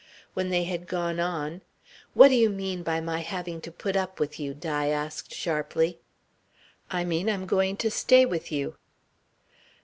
When they had gone on, "What do you mean by my having to put up with you?" Di asked sharply. "I mean I'm going to stay with you."